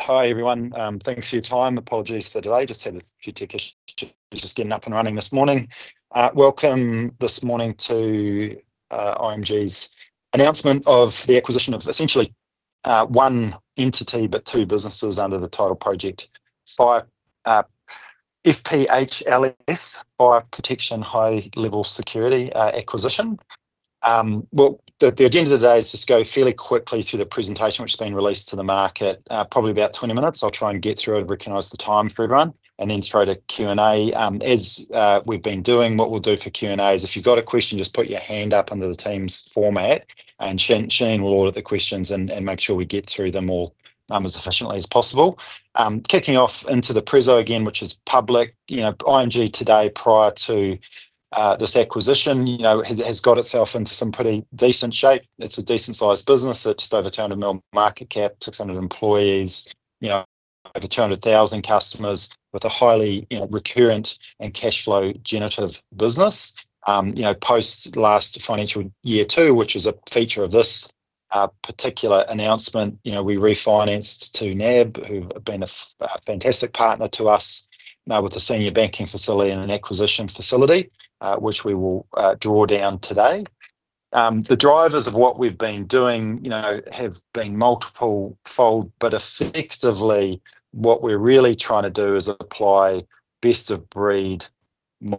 Hi, everyone. Thanks for your time. Apologies for delay. Just had a few tickets just getting up and running this morning. Welcome this morning to IMG's announcement of the acquisition of essentially one entity, but two businesses under the title Project FPHLS, Fire Protection High Level Security Acquisition. Well, the agenda today is just go fairly quickly through the presentation which has been released to the market, probably about 20 minutes. I'll try and get through it and recognize the time for everyone, and then throw to Q&A. As we've been doing, what we'll do for Q&A is if you've got a question, just put your hand up under the Teams format, and Shane will order the questions and make sure we get through them all as efficiently as possible. Kicking off into the prezo again, which is public, IMG today, prior to this acquisition, has got itself into some pretty decent shape. It's a decent-sized business. It's just over 200 million market cap, 600 employees, over 200,000 customers with a highly recurrent and cash flow generative business. Post last financial year two, which is a feature of this particular announcement, we refinanced to NAB, who have been a fantastic partner to us with a senior banking facility and an acquisition facility, which we will draw down today. The drivers of what we've been doing have been multiple fold, but effectively what we're really trying to do is apply best of breed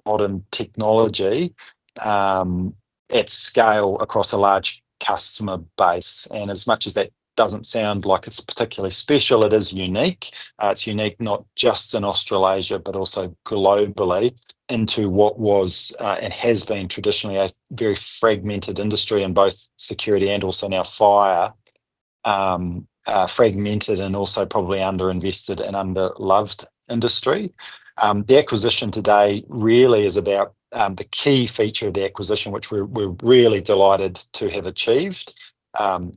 modern technology at scale across a large customer base, and as much as that doesn't sound like it's particularly special, it is unique. It's unique not just in Australasia, but also globally, into what was and has been traditionally a very fragmented industry in both security and also now fire, fragmented and also probably underinvested and underloved industry. The acquisition today really is about the key feature of the acquisition, which we're really delighted to have achieved,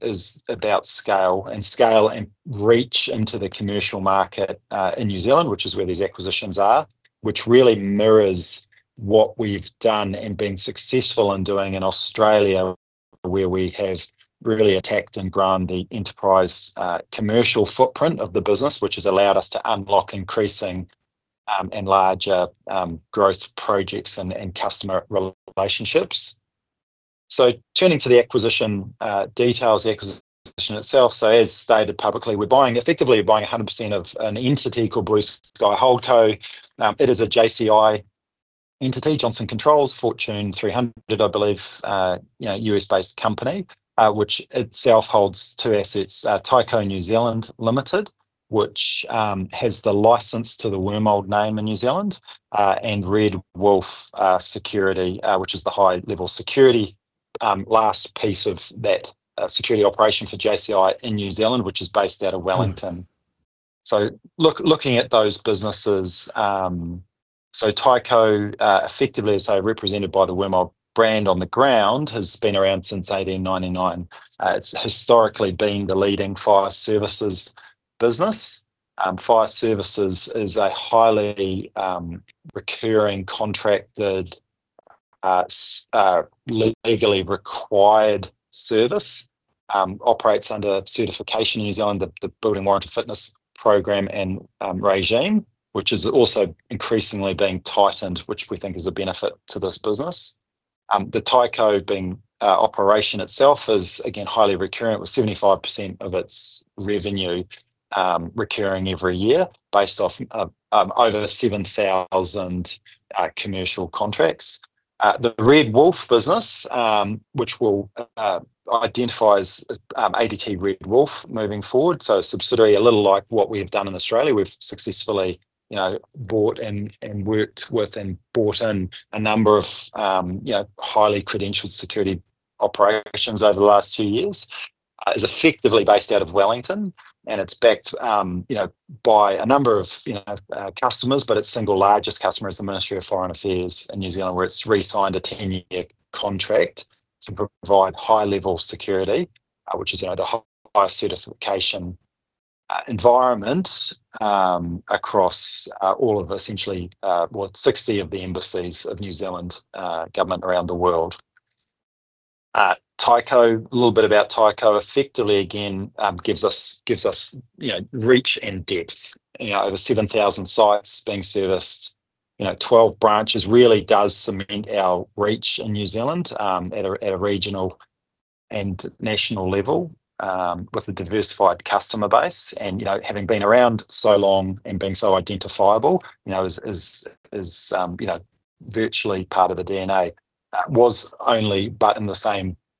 is about scale and scale and reach into the commercial market in New Zealand, which is where these acquisitions are, which really mirrors what we've done and been successful in doing in Australia, where we have really attacked and grown the enterprise commercial footprint of the business, which has allowed us to unlock increasing and larger growth projects and customer relationships, so turning to the acquisition details, the acquisition itself, so as stated publicly, we're buying effectively buying 100% of an entity called Blue Sky Holdco. It is a JCI entity, Johnson Controls, Fortune 300, I believe, U.S.-based company, which itself holds two assets, Tyco New Zealand Limited, which has the license to the Wormald name in New Zealand, and Red Wolf Security, which is the high-level security last piece of that security operation for JCI in New Zealand, which is based out of Wellington. So looking at those businesses, so Tyco effectively is represented by the Wormald brand on the ground, has been around since 1899. It's historically been the leading fire services business. Fire services is a highly recurring contracted, legally required service, operates under certification in New Zealand, the Building Warrant of Fitness program and regime, which is also increasingly being tightened, which we think is a benefit to this business. The Tyco business operation itself is, again, highly recurrent with 75% of its revenue recurring every year based off of over 7,000 commercial contracts. The Red Wolf business, which will identify as ADT Red Wolf moving forward, so a subsidiary a little like what we have done in Australia. We've successfully bought and worked with and bought in a number of highly credentialed security operations over the last few years. It's effectively based out of Wellington, and it's backed by a number of customers, but its single largest customer is the Ministry of Foreign Affairs in New Zealand, where it's re-signed a 10-year contract to provide high-level security, which is the highest certification environment across all of essentially 60 of the embassies of New Zealand Government around the world. Tyco, a little bit about Tyco, effectively again gives us reach and depth. Over 7,000 sites being serviced, 12 branches really does cement our reach in New Zealand at a regional and national level with a diversified customer base, and having been around so long and being so identifiable is virtually part of the DNA, was only but in the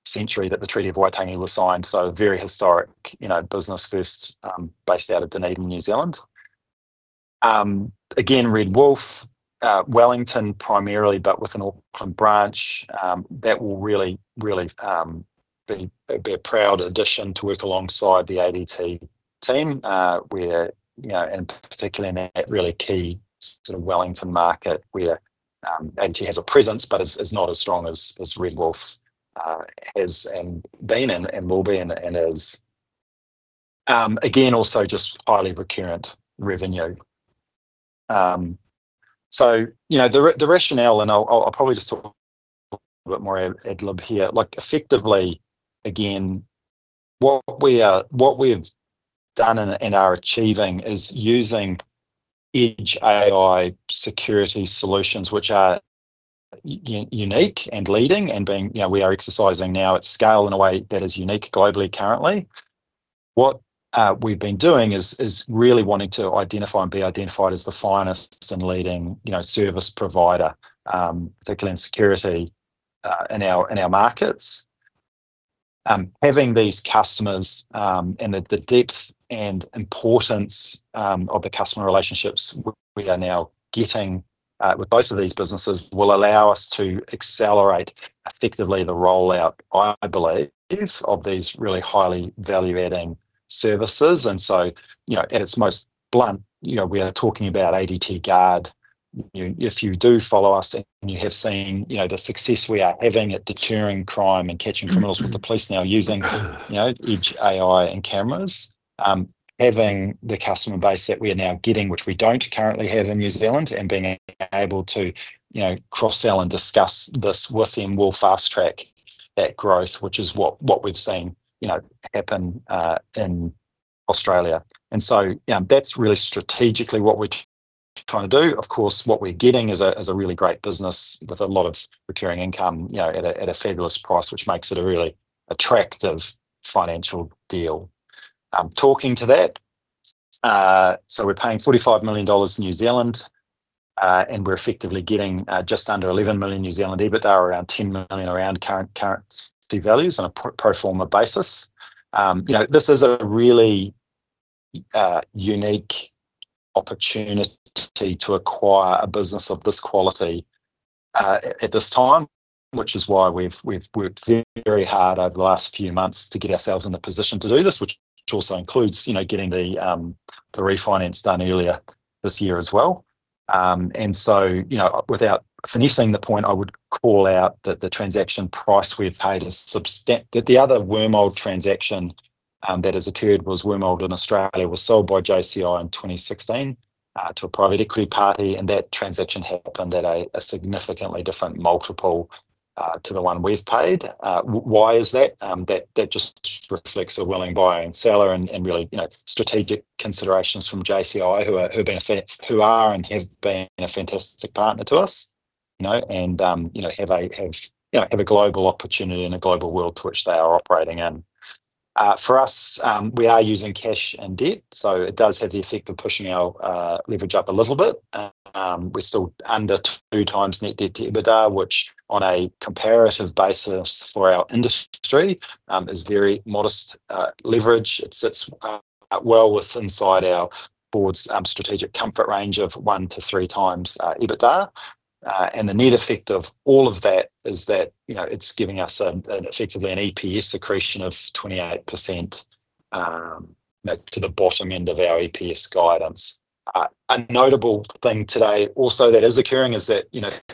same century that the Treaty of Waitangi was signed, so very historic business first based out of Dunedin, New Zealand. Again, Red Wolf, Wellington primarily, but with an Auckland branch that will really, really be a proud addition to work alongside the ADT team, and particularly in that really key sort of Wellington market, where ADT has a presence, but is not as strong as Red Wolf has and been and will be and is, again, also just highly recurring revenue, so the rationale, and I'll probably just talk a bit more ad lib here. Effectively, again, what we have done and are achieving is using Edge AI security solutions, which are unique and leading and being we are exercising now at scale in a way that is unique globally currently. What we've been doing is really wanting to identify and be identified as the finest and leading service provider, particularly in security in our markets. Having these customers and the depth and importance of the customer relationships we are now getting with both of these businesses will allow us to accelerate effectively the rollout, I believe, of these really highly value-adding services. And so at its most blunt, we are talking about ADT Guard. If you do follow us and you have seen the success we are having at deterring crime and catching criminals with the police now using Edge AI and cameras, having the customer base that we are now getting, which we don't currently have in New Zealand, and being able to cross-sell and discuss this with them will fast-track that growth, which is what we've seen happen in Australia, and so that's really strategically what we're trying to do. Of course, what we're getting is a really great business with a lot of recurring income at a fabulous price, which makes it a really attractive financial deal. Talking to that, so we're paying 45 million New Zealand dollars, and we're effectively getting just under 11 million EBITDA, around 10 million around current FX values on a pro forma basis. This is a really unique opportunity to acquire a business of this quality at this time, which is why we've worked very hard over the last few months to get ourselves in the position to do this, which also includes getting the refinance done earlier this year as well, and so without finishing the point, I would call out that the transaction price we've paid is substantial. The other Wormald transaction that has occurred was Wormald in Australia was sold by JCI in 2016 to a private equity party, and that transaction happened at a significantly different multiple to the one we've paid. Why is that? That just reflects a willing buyer and seller and really strategic considerations from JCI, who are and have been a fantastic partner to us and have a global opportunity in a global world to which they are operating in. For us, we are using cash and debt, so it does have the effect of pushing our leverage up a little bit. We're still under two times net debt to EBITDA, which on a comparative basis for our industry is very modest leverage. It sits well within our board's strategic comfort range of one to 3x EBITDA. And the net effect of all of that is that it's giving us effectively an EPS accretion of 28% to the bottom end of our EPS guidance. A notable thing today also that is occurring is that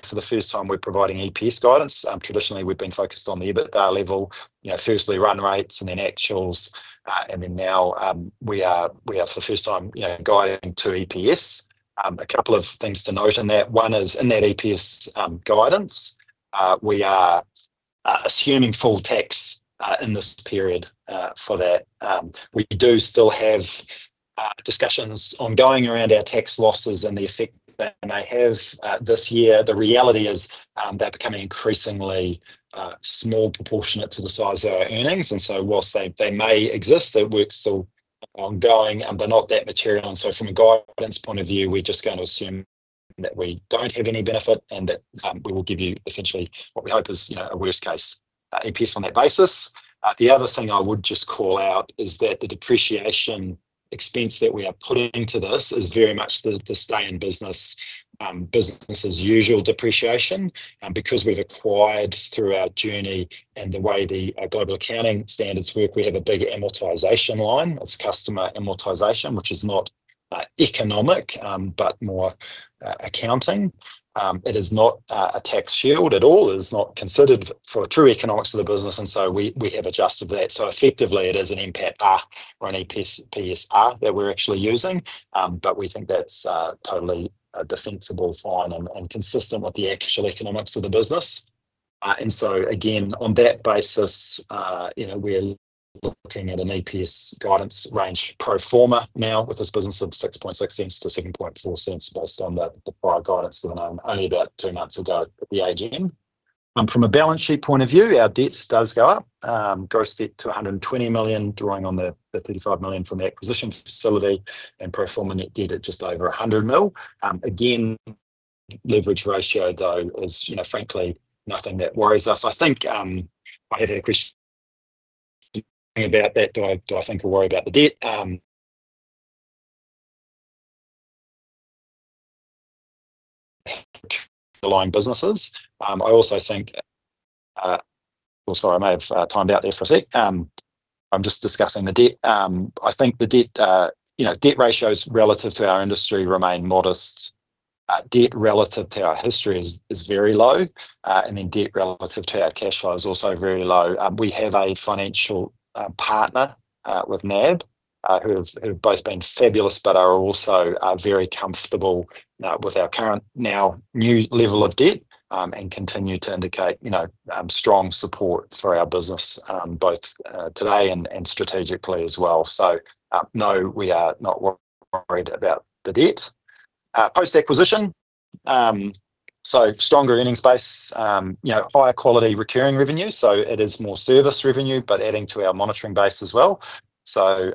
for the first time we're providing EPS guidance. Traditionally, we've been focused on the EBITDA level, firstly run rates and then actuals, and then now we are for the first time guiding to EPS. A couple of things to note in that. One is in that EPS guidance, we are assuming full tax in this period for that. We do still have discussions ongoing around our tax losses and the effect that they may have this year. The reality is they're becoming increasingly small proportionate to the size of our earnings, and so whilst they may exist, that work's still ongoing, but not that material, and so from a guidance point of view, we're just going to assume that we don't have any benefit and that we will give you essentially what we hope is a worst-case EPS on that basis. The other thing I would just call out is that the depreciation expense that we are putting to this is very much the stay-in-business business-as-usual depreciation. Because we've acquired through our journey and the way the global accounting standards work, we have a big amortization line. It's customer amortization, which is not economic, but more accounting. It is not a tax shield at all. It is not considered for true economics of the business, and so we have adjusted that, so effectively, it is an NPATA or an EPSA that we're actually using, but we think that's totally defensible, fine, and consistent with the actual economics of the business, and so again, on that basis, we're looking at an EPS guidance range pro forma now with this business of 0.066-0.074 based on the prior guidance given only about two months ago at the AGM. From a balance sheet point of view, our debt does go up, gross debt to 120 million, drawing on the 35 million from the acquisition facility, and pro forma net debt at just over 100 million. Again, leverage ratio, though, is frankly nothing that worries us. I think I have a question about that. Do I think or worry about the debt? Underlying businesses. I also think, sorry, I may have timed out there for a sec. I'm just discussing the debt. I think the debt ratios relative to our industry remain modest. Debt relative to our history is very low, and then debt relative to our cash flow is also very low. We have a financial partner with NAB who have both been fabulous but are also very comfortable with our current now new level of debt and continue to indicate strong support for our business both today and strategically as well. So no, we are not worried about the debt. Post-acquisition, so stronger earnings base, higher quality recurring revenue. So it is more service revenue, but adding to our monitoring base as well. It's a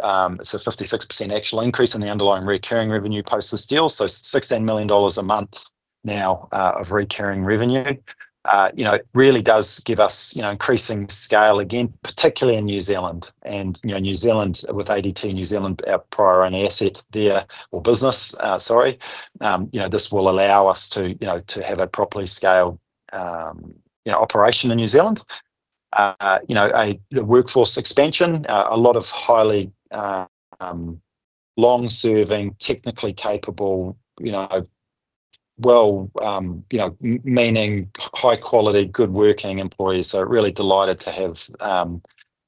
56% actual increase in the underlying recurring revenue post this deal. So 16 million dollars a month now of recurring revenue. It really does give us increasing scale again, particularly in New Zealand. And New Zealand with ADT, New Zealand, our prior own asset there or business, sorry, this will allow us to have a properly scaled operation in New Zealand. The workforce expansion, a lot of highly long-serving, technically capable, well-meaning, high-quality, good-working employees. So really delighted to have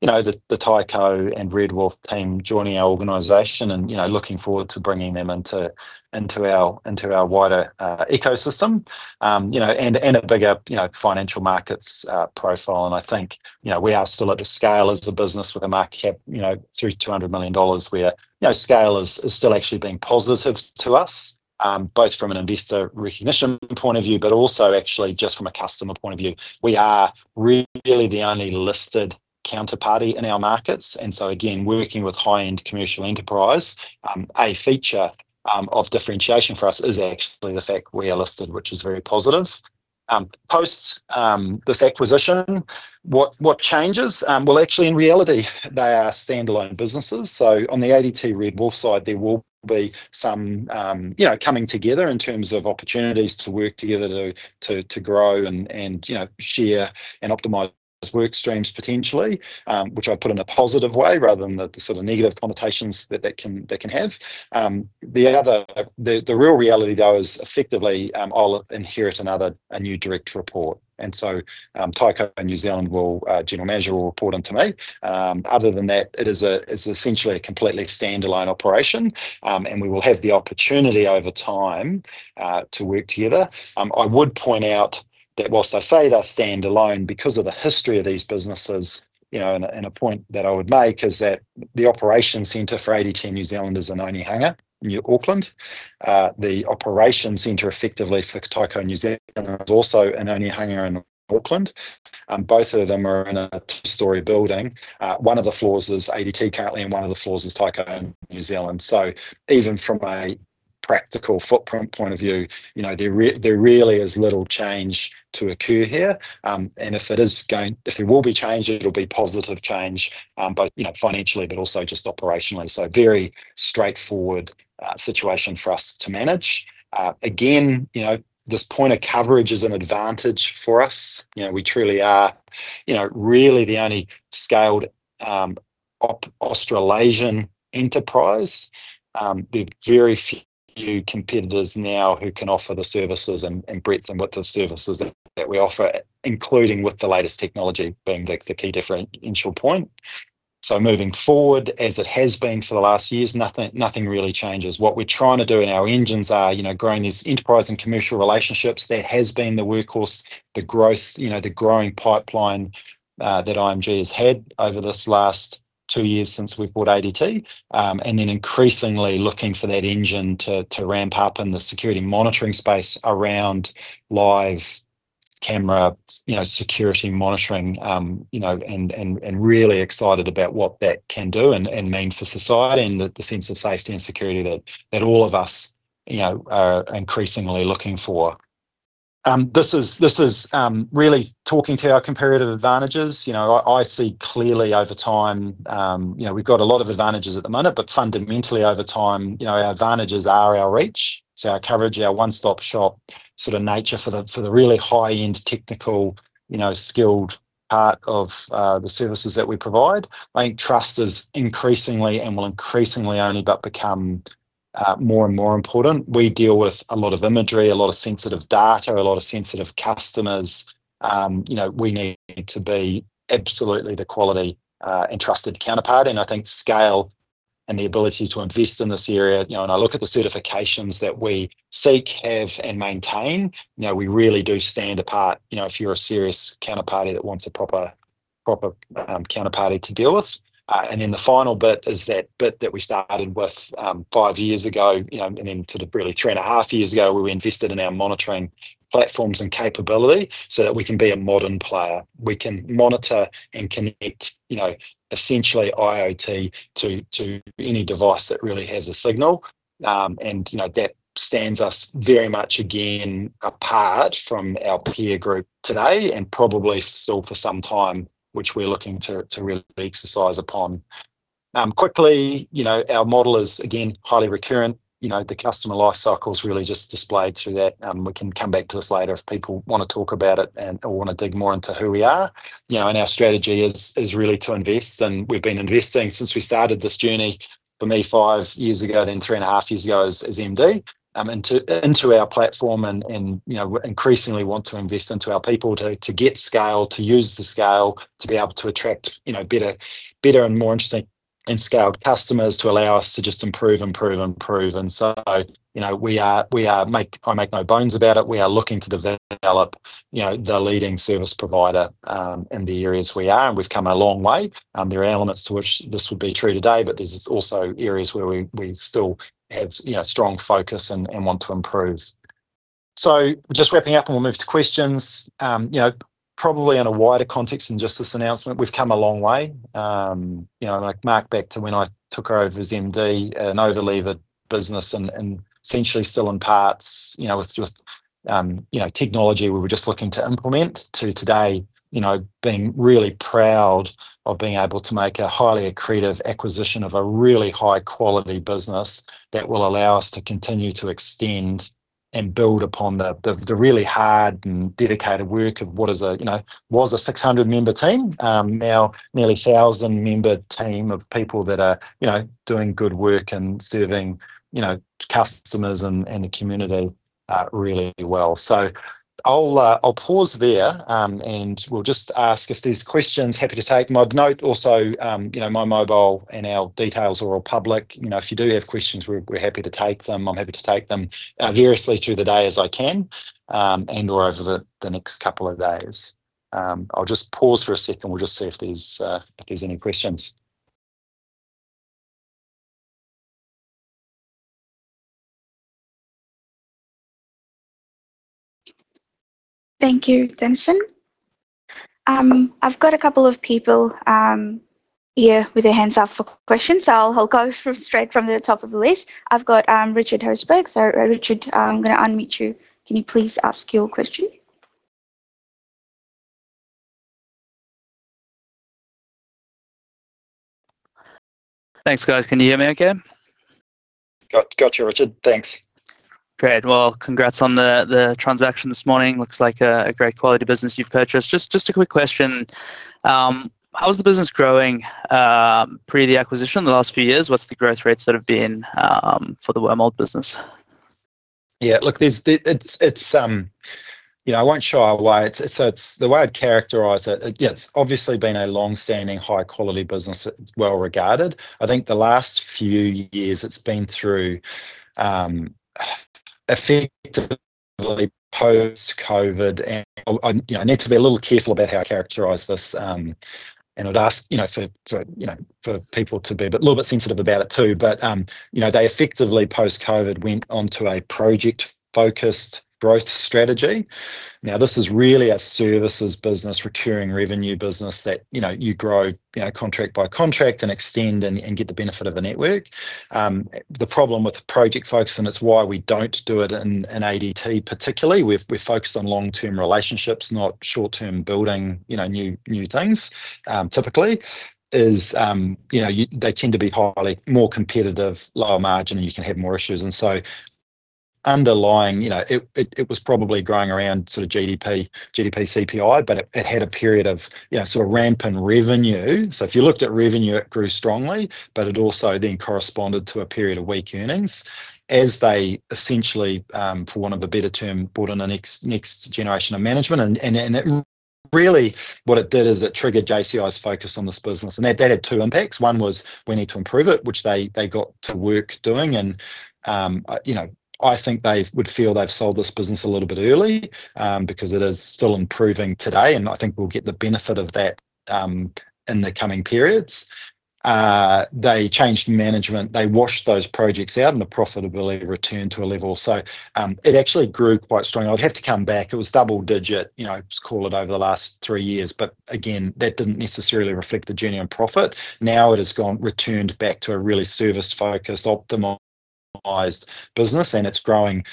the Tyco and Red Wolf team joining our organization and looking forward to bringing them into our wider ecosystem and a bigger financial markets profile. And I think we are still at the scale as a business with a market cap through 200 million dollars, where scale is still actually being positive to us, both from an investor recognition point of view, but also actually just from a customer point of view. We are really the only listed counterparty in our markets. And so again, working with high-end commercial enterprise, a feature of differentiation for us is actually the fact we are listed, which is very positive. Post this acquisition, what changes? Well, actually, in reality, they are standalone businesses. So on the ADT Red Wolf side, there will be some coming together in terms of opportunities to work together to grow and share and optimize work streams potentially, which I put in a positive way rather than the sort of negative connotations that that can have. The real reality, though, is effectively I'll inherit another new direct report. And so Tyco New Zealand general manager will report on to me. Other than that, it is essentially a completely standalone operation, and we will have the opportunity over time to work together. I would point out that while I say they're standalone, because of the history of these businesses, and a point that I would make is that the operations center for ADT New Zealand is in Onehunga, Auckland. The operations center effectively for Tyco New Zealand is also in Onehunga in Auckland. Both of them are in a two-story building. One of the floors is ADT currently, and one of the floors is Tyco New Zealand. So even from a practical footprint point of view, there really is little change to occur here. And if there will be change, it'll be positive change, both financially, but also just operationally. So very straightforward situation for us to manage. Again, this point of coverage is an advantage for us. We truly are really the only scaled Australasian enterprise. There are very few competitors now who can offer the services and breadth and width of services that we offer, including with the latest technology being the key differential point. So moving forward, as it has been for the last years, nothing really changes. What we're trying to do in our engines are growing these enterprise and commercial relationships. There has been the workhorse, the growth, the growing pipeline that IMG has had over this last two years since we've bought ADT, and then increasingly looking for that engine to ramp up in the security monitoring space around live camera security monitoring and really excited about what that can do and mean for society and the sense of safety and security that all of us are increasingly looking for. This is really talking to our comparative advantages. I see clearly over time, we've got a lot of advantages at the moment, but fundamentally over time, our advantages are our reach. It's our coverage, our one-stop shop sort of nature for the really high-end technical skilled part of the services that we provide. I think trust is increasingly and will increasingly only but become more and more important. We deal with a lot of imagery, a lot of sensitive data, a lot of sensitive customers. We need to be absolutely the quality and trusted counterpart, and I think scale and the ability to invest in this area, and I look at the certifications that we seek, have, and maintain. We really do stand apart if you're a serious counterparty that wants a proper counterparty to deal with, and then the final bit is that bit that we started with five years ago, and then to really three and a half years ago, we were invested in our monitoring platforms and capability so that we can be a modern player. We can monitor and connect essentially IoT to any device that really has a signal. And that stands us very much again apart from our peer group today and probably still for some time, which we're looking to really exercise upon. Quickly, our model is again highly recurrent. The customer life cycle is really just displayed through that. We can come back to this later if people want to talk about it and want to dig more into who we are. And our strategy is really to invest. And we've been investing since we started this journey for me five years ago, then three and a half years ago as MD into our platform and increasingly want to invest into our people to get scale, to use the scale, to be able to attract better and more interesting and scaled customers to allow us to just improve, improve, improve. And so I make no bones about it. We are looking to develop the leading service provider in the areas we are, and we've come a long way. There are elements to which this would be true today, but there's also areas where we still have strong focus and want to improve. So just wrapping up and we'll move to questions. Probably in a wider context than just this announcement, we've come a long way. Like, Mark, back to when I took over as MD, an overleveraged business and essentially still in parts with technology we were just looking to implement to today, being really proud of being able to make a highly accretive acquisition of a really high-quality business that will allow us to continue to extend and build upon the really hard and dedicated work of what was a 600-member team, now nearly 1,000-member team of people that are doing good work and serving customers and the community really well, so I'll pause there and we'll just ask if there's questions, happy to take them. I'd note also my mobile and our details are all public. If you do have questions, we're happy to take them. I'm happy to take them variously through the day as I can and/or over the next couple of days. I'll just pause for a second. We'll just see if there's any questions. Thank you, Dennison. I've got a couple of people here with their hands up for questions. So I'll go straight from the top of the list. I've got Richard Herszberg. So Richard, I'm going to unmute you. Can you please ask your question? Thanks, guys. Can you hear me okay? Got you, Richard. Thanks. Great. Well, congrats on the transaction this morning. Looks like a great quality business you've purchased. Just a quick question. How is the business growing pre the acquisition, the last few years? What's the growth rate sort of been for the Wormald business? Yeah. Look, it's. I won't show it. The way I'd characterize it, it's obviously been a long-standing high-quality business, well regarded. I think the last few years it's been through effectively post-COVID. And I need to be a little careful about how I characterize this. And I'd ask for people to be a little bit sensitive about it too. But they effectively post-COVID went onto a project-focused growth strategy. Now, this is really a services business, recurring revenue business that you grow contract by contract and extend and get the benefit of the network. The problem with project focus, and it's why we don't do it in ADT particularly, we're focused on long-term relationships, not short-term building new things typically, is they tend to be highly more competitive, lower margin, and you can have more issues. And so, underlying, it was probably growing around sort of GDP, GDP CPI, but it had a period of sort of ramp in revenue. So if you looked at revenue, it grew strongly, but it also then corresponded to a period of weak earnings as they essentially, for want of a better term, bought in a next generation of management. And really what it did is it triggered JCI's focus on this business. And that had two impacts. One was we need to improve it, which they got to work doing. And I think they would feel they've sold this business a little bit early because it is still improving today. And I think we'll get the benefit of that in the coming periods. They changed management. They washed those projects out, and the profitability returned to a level. So it actually grew quite strong. I'd have to come back. It was double-digit, let's call it over the last three years, but again, that didn't necessarily reflect the genuine profit. Now it has returned back to a really service-focused, optimized business, and it's growing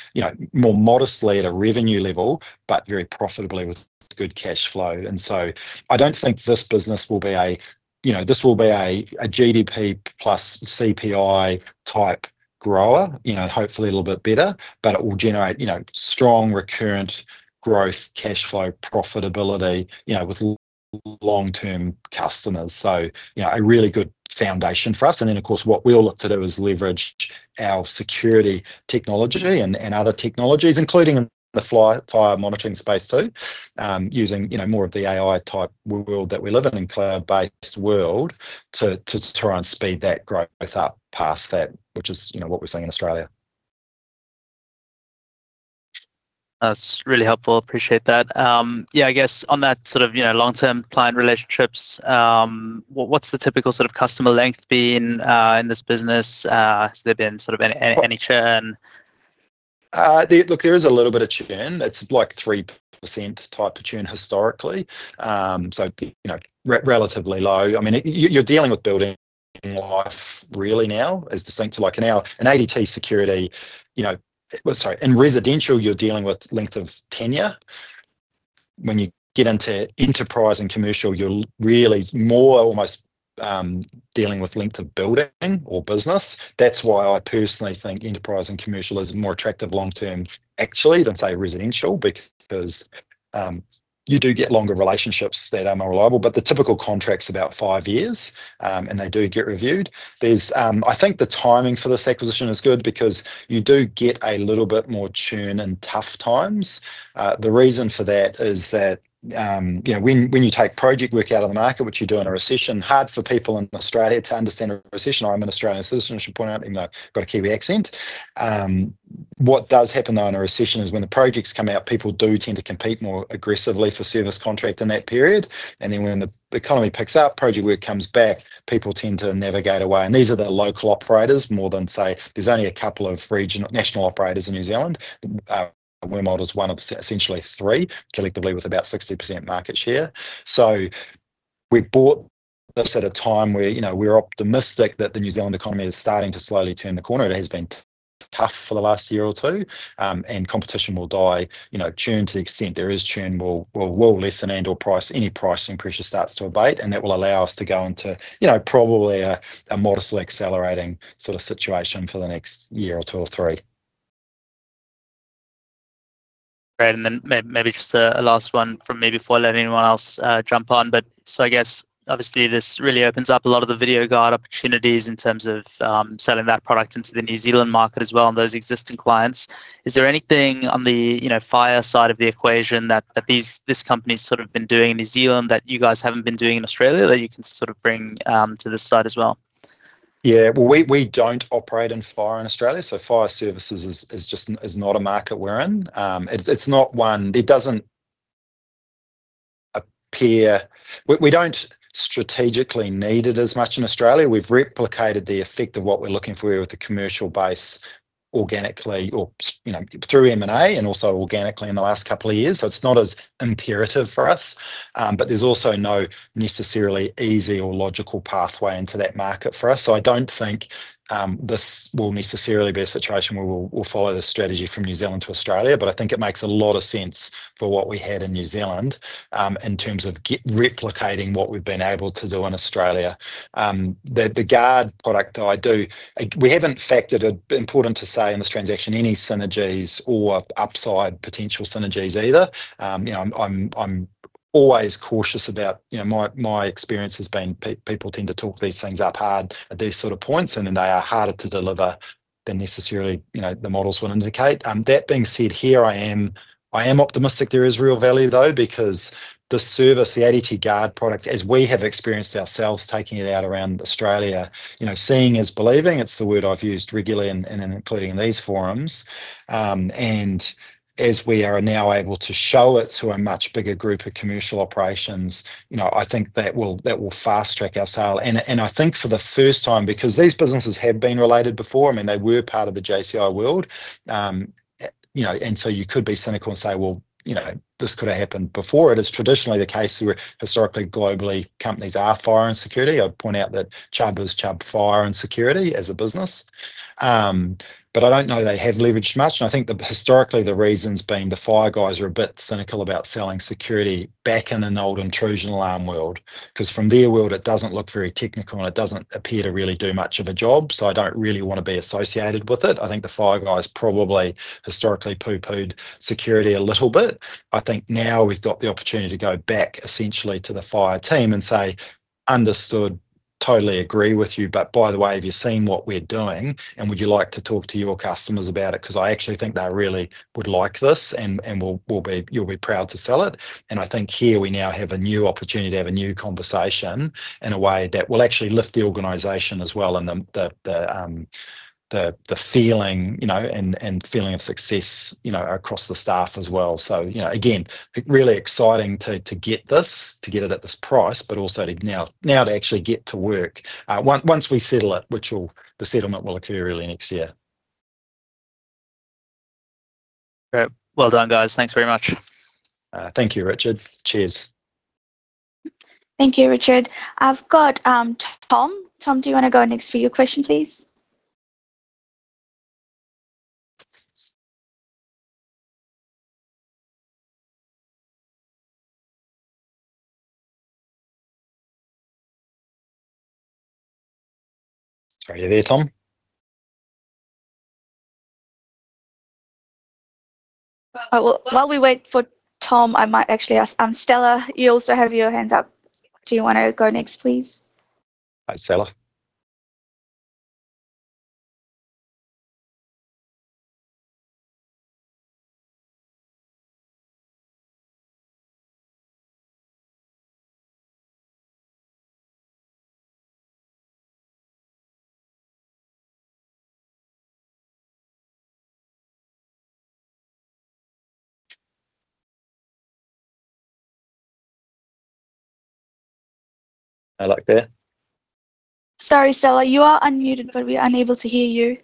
more modestly at a revenue level, but very profitably with good cash flow, and so I don't think this business will be a—this will be a GDP plus CPI type grower, hopefully a little bit better, but it will generate strong recurrent growth, cash flow, profitability with long-term customers, so a really good foundation for us, and then, of course, what we all look to do is leverage our security technology and other technologies, including in the fire monitoring space too, using more of the AI type world that we live in and cloud-based world to try and speed that growth up past that, which is what we're seeing in Australia. That's really helpful. Appreciate that. Yeah, I guess on that sort of long-term client relationships, what's the typical sort of customer length been in this business? Has there been sort of any churn? Look, there is a little bit of churn. It's like 3% type of churn historically. So relatively low. I mean, you're dealing with building life really now as distinct to an ADT Security. Sorry. In residential, you're dealing with length of tenure. When you get into enterprise and commercial, you're really more almost dealing with length of building or business. That's why I personally think enterprise and commercial is more attractive long-term, actually, than say residential because you do get longer relationships that are more reliable. But the typical contract's about five years, and they do get reviewed. I think the timing for this acquisition is good because you do get a little bit more churn in tough times. The reason for that is that when you take project work out of the market, which you do in a recession, hard for people in Australia to understand a recession. I'm an Australian citizen, I should point out, even though I've got a Kiwi accent. What does happen though in a recession is when the projects come out, people do tend to compete more aggressively for service contract in that period, and then when the economy picks up, project work comes back, people tend to navigate away and these are the local operators more than, say, there's only a couple of regional national operators in New Zealand. Wormald is one of essentially three, collectively with about 60% market share so we bought this at a time where we're optimistic that the New Zealand economy is starting to slowly turn the corner. It has been tough for the last year or two, and competition will die. Churn, to the extent there is churn, will lessen and/or pricing pressure starts to abate. And that will allow us to go into probably a modestly accelerating sort of situation for the next year or two or three. Great, and then maybe just a last one from me before I let anyone else jump on, but so I guess obviously this really opens up a lot of the Video guard opportunities in terms of selling that product into the New Zealand market as well and those existing clients. Is there anything on the fire side of the equation that this company's sort of been doing in New Zealand that you guys haven't been doing in Australia that you can sort of bring to this side as well? Yeah. Well, we don't operate in fire in Australia. So fire services is not a market we're in. It's not one that doesn't appear we don't strategically need it as much in Australia. We've replicated the effect of what we're looking for with the commercial base organically or through M&A and also organically in the last couple of years. So it's not as imperative for us. But there's also no necessarily easy or logical pathway into that market for us. So I don't think this will necessarily be a situation where we'll follow the strategy from New Zealand to Australia. But I think it makes a lot of sense for what we had in New Zealand in terms of replicating what we've been able to do in Australia. The Guard product that I do, we haven't factored (important to say in this transaction) any synergies or upside potential synergies either. I'm always cautious about my experience has been people tend to talk these things up hard at these sort of points, and then they are harder to deliver than necessarily the models will indicate. That being said, here I am optimistic there is real value though because the service, the ADT Guard product, as we have experienced ourselves taking it out around Australia, seeing is believing. It's the word I've used regularly and including in these forums. And as we are now able to show it to a much bigger group of commercial operations, I think that will fast-track our sale. And I think for the first time because these businesses have been related before. I mean, they were part of the JCI world. And so you could be cynical and say, "Well, this could have happened before." It is traditionally the case where historically, globally, companies are fire and security. I'd point out that Chubb was Chubb Fire and Security as a business. But I don't know they have leveraged much. And I think historically the reason's been the fire guys are a bit cynical about selling security back in an old intrusion alarm world because from their world, it doesn't look very technical, and it doesn't appear to really do much of a job. So I don't really want to be associated with it. I think the fire guys probably historically pooh-poohed security a little bit. I think now we've got the opportunity to go back essentially to the fire team and say, "Understood. Totally agree with you. But by the way, have you seen what we're doing? And would you like to talk to your customers about it? Because I actually think they really would like this, and you'll be proud to sell it." And I think here we now have a new opportunity to have a new conversation in a way that will actually lift the organization as well and the feeling of success across the staff as well. So again, really exciting to get this, to get it at this price, but also now to actually get to work once we settle it, which the settlement will occur early next year. Great. Well done, guys. Thanks very much. Thank you, Richard. Cheers. Thank you, Richard. I've got Tom. Tom, do you want to go next for your question, please? Sorry. Are you there, Tom? While we wait for Tom, I might actually ask. Stella, you also have your hand up. Do you want to go next, please? Hi, Stella. Am I like there? Sorry, Stella. You are unmuted, but we are unable to hear you.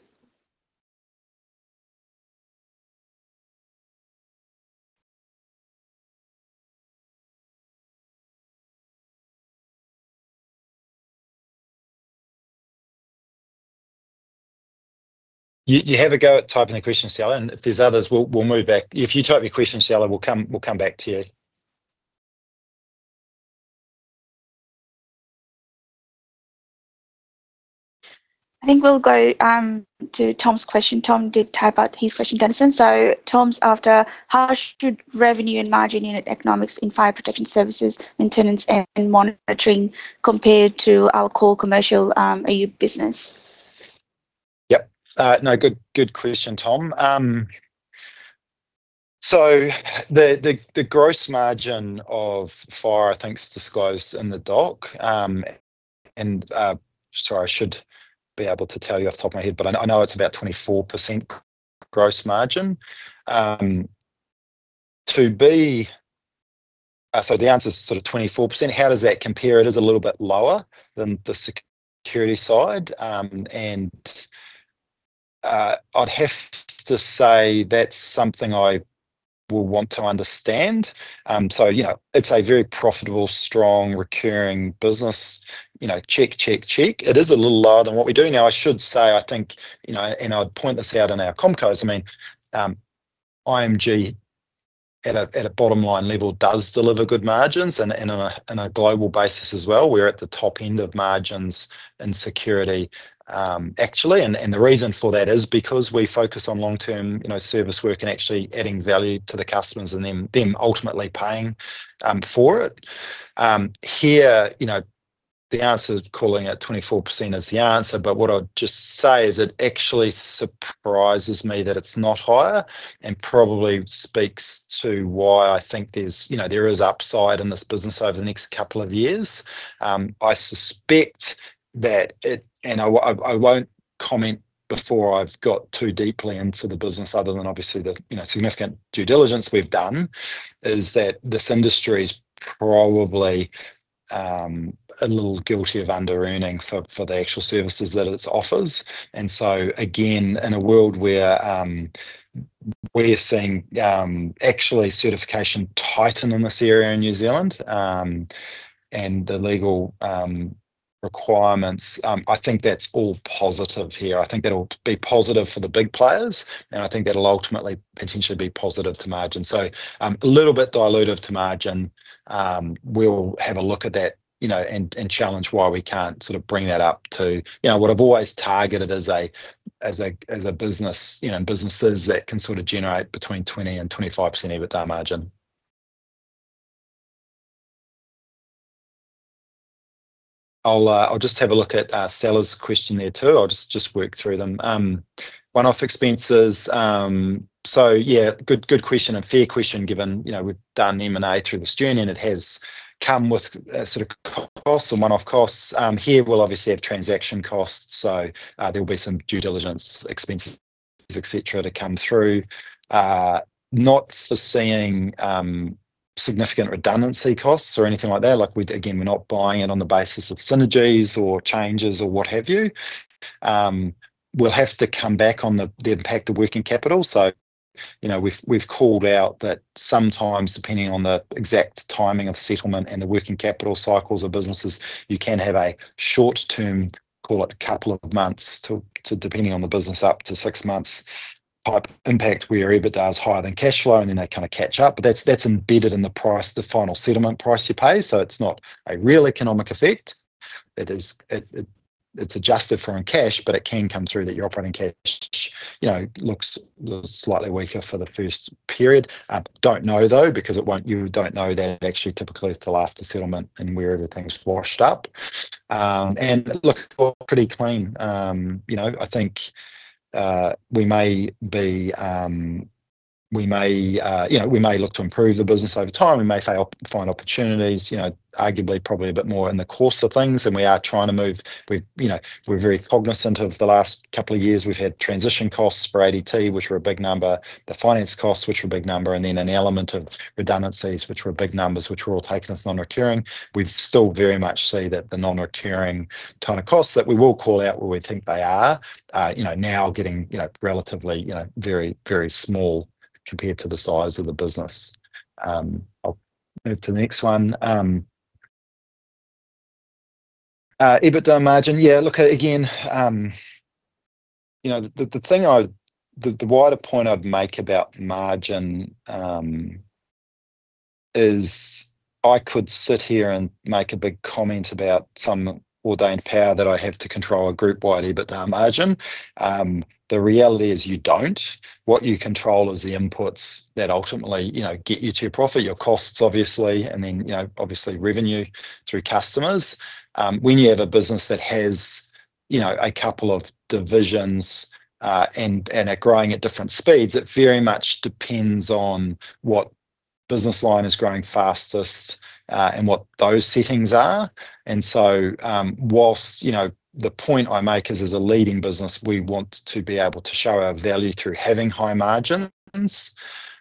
You have a go at typing the question, Stella, and if there's others, we'll move back. If you type your question, Stella, we'll come back to you. I think we'll go to Tom's question. Tom did type out his question, Dennison. So Tom's after, how should revenue and margin in economics in fire protection services maintenance and monitoring compare to our core commercial business? Yep. No, good question, Tom. So the gross margin of fire, I think, is disclosed in the doc. And sorry, I should be able to tell you off the top of my head, but I know it's about 24% gross margin. So the answer's sort of 24%. How does that compare? It is a little bit lower than the security side. And I'd have to say that's something I will want to understand. So it's a very profitable, strong, recurring business. Check, check, check. It is a little lower than what we do now. I should say, I think, and I'd point this out in our comm codes, I mean, IMG at a bottom-line level does deliver good margins and on a global basis as well. We're at the top end of margins in security, actually. And the reason for that is because we focus on long-term service work and actually adding value to the customers and then ultimately paying for it. Here, the answer's calling it 24% is the answer. But what I'd just say is it actually surprises me that it's not higher and probably speaks to why I think there is upside in this business over the next couple of years. I suspect that, and I won't comment before I've got too deeply into the business other than obviously the significant due diligence we've done, is that this industry's probably a little guilty of under-earning for the actual services that it offers. And so again, in a world where we're seeing actually certification tighten in this area in New Zealand and the legal requirements, I think that's all positive here. I think that'll be positive for the big players, and I think that'll ultimately potentially be positive to margin, so a little bit dilutive to margin. We'll have a look at that and challenge why we can't sort of bring that up to what I've always targeted as a business and businesses that can sort of generate between 20% and 25% EBITDA margin. I'll just have a look at Stella's question there too. I'll just work through them, one-off expenses, so yeah, good question and fair question given we've done M&A through the journey, and it has come with sort of costs and one-off costs. Here we'll obviously have transaction costs, so there will be some due diligence expenses, etc., to come through. Not foreseeing significant redundancy costs or anything like that. Again, we're not buying it on the basis of synergies or changes or what have you. We'll have to come back on the impact of working capital. So we've called out that sometimes, depending on the exact timing of settlement and the working capital cycles of businesses, you can have a short-term, call it a couple of months, depending on the business, up to six months type impact where EBITDA is higher than cash flow, and then they kind of catch up. But that's embedded in the price, the final settlement price you pay. So it's not a real economic effect. It's adjusted for in cash, but it can come through that your operating cash looks slightly weaker for the first period. Don't know though because you don't know that actually typically it's till after settlement and where everything's washed up. And look, we're pretty clean. I think we may look to improve the business over time. We may find opportunities, arguably probably a bit more in the course of things, and we are trying to move. We're very cognizant of the last couple of years. We've had transition costs for ADT, which were a big number, the finance costs, which were a big number, and then an element of redundancies, which were big numbers, which were all taking us non-recurring. We still very much see that the non-recurring kind of costs that we will call out, where we think they are now getting relatively very, very small compared to the size of the business. I'll move to the next one. EBITDA margin. Yeah. Look, again, the thing I, the wider point I'd make about margin is I could sit here and make a big comment about some ordained power that I have to control a group-wide EBITDA margin. The reality is you don't. What you control is the inputs that ultimately get you to your profit, your costs, obviously, and then obviously revenue through customers. When you have a business that has a couple of divisions and are growing at different speeds, it very much depends on what business line is growing fastest and what those settings are. And so while the point I make is as a leading business, we want to be able to show our value through having high margins.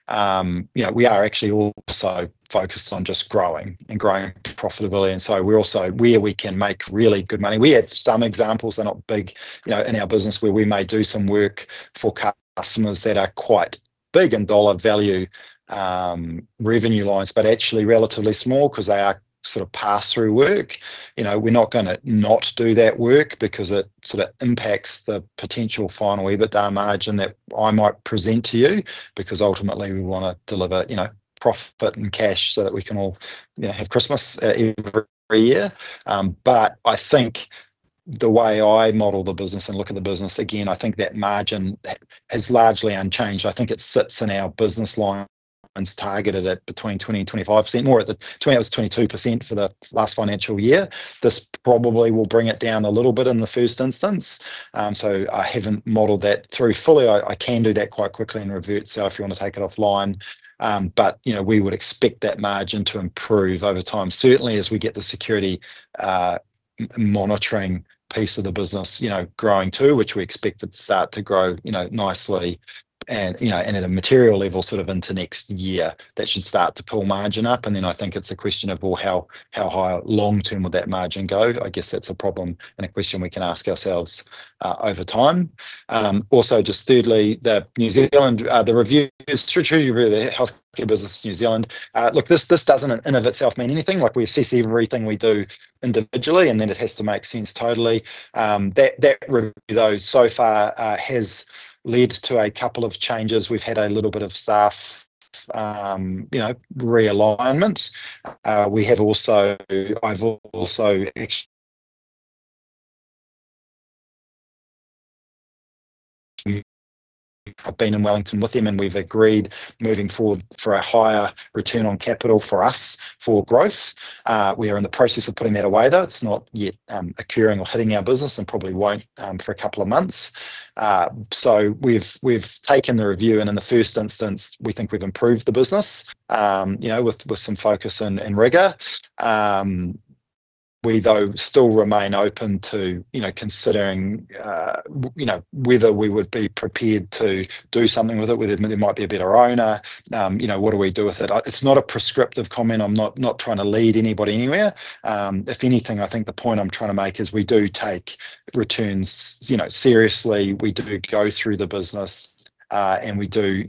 We are actually also focused on just growing and growing profitably. And so we're also where we can make really good money. We have some examples, they're not big in our business, where we may do some work for customers that are quite big in dollar value revenue lines, but actually relatively small because they are sort of pass-through work. We're not going to not do that work because it sort of impacts the potential final EBITDA margin that I might present to you because ultimately we want to deliver profit and cash so that we can all have Christmas every year. But I think the way I model the business and look at the business, again, I think that margin has largely unchanged. I think it sits in our business lines targeted at between 20% and 25%. That was 22% for the last financial year. This probably will bring it down a little bit in the first instance. So I haven't modeled that through fully. I can do that quite quickly and revert itself if you want to take it offline. But we would expect that margin to improve over time. Certainly, as we get the security monitoring piece of the business growing too, which we expect it to start to grow nicely and at a material level sort of into next year, that should start to pull margin up. And then I think it's a question of, well, how high long-term will that margin go? I guess that's a problem and a question we can ask ourselves over time. Also, just thirdly, the New Zealand reviews, the healthcare business New Zealand, look, this doesn't in and of itself mean anything. We assess everything we do individually, and then it has to make sense totally. That review, though, so far has led to a couple of changes. We've had a little bit of staff realignment. We have also. I've also actually been in Wellington with them, and we've agreed moving forward for a higher return on capital for us for growth. We are in the process of putting that away, though. It's not yet occurring or hitting our business and probably won't for a couple of months. So we've taken the review, and in the first instance, we think we've improved the business with some focus and rigor. We, though, still remain open to considering whether we would be prepared to do something with it. There might be a better owner. What do we do with it? It's not a prescriptive comment. I'm not trying to lead anybody anywhere. If anything, I think the point I'm trying to make is we do take returns seriously. We do go through the business, and we do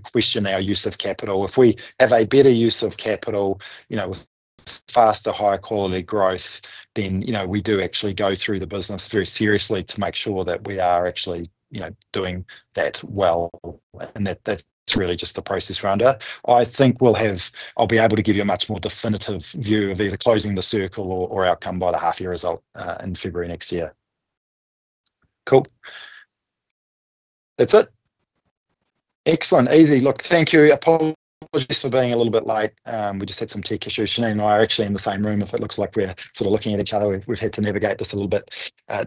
question our use of capital. If we have a better use of capital with faster, higher quality growth, then we do actually go through the business very seriously to make sure that we are actually doing that well, and that's really just the process around it. I think I'll be able to give you a much more definitive view of either closing the circle or outcome by the half-year result in February next year. Cool. That's it. Excellent. Easy. Look, thank you. Apologies for being a little bit late. We just had some tech issues. Shane and I are actually in the same room. If it looks like we're sort of looking at each other, we've had to navigate this a little bit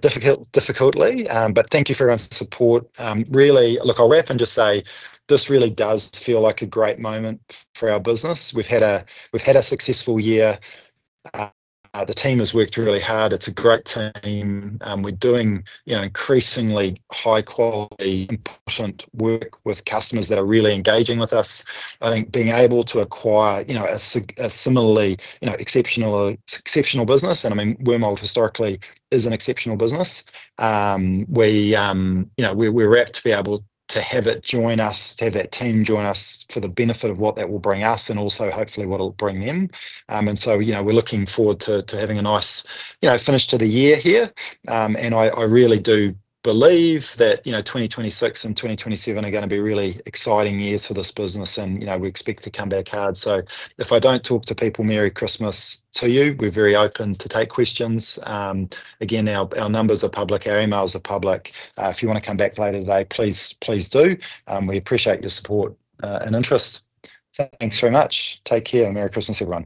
difficultly, but thank you for everyone's support. Really, look, I'll wrap and just say this really does feel like a great moment for our business. We've had a successful year. The team has worked really hard. It's a great team. We're doing increasingly high-quality, important work with customers that are really engaging with us. I think being able to acquire a similarly exceptional business, and I mean, Wormald historically is an exceptional business, we're wrapped to be able to have it join us, to have that team join us for the benefit of what that will bring us and also, hopefully, what it'll bring them, and so we're looking forward to having a nice finish to the year here, and I really do believe that 2026 and 2027 are going to be really exciting years for this business, and we expect to come back hard, so if I don't talk to people, Merry Christmas to you. We're very open to take questions. Again, our numbers are public. Our emails are public. If you want to come back later today, please do. We appreciate your support and interest. Thanks very much. Take care. Merry Christmas to everyone.